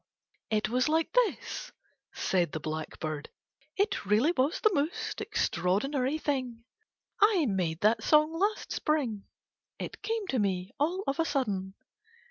"It was like this," said the blackbird. "It really was the most extraordinary thing. I made that song last Spring, it came to me all of a sudden.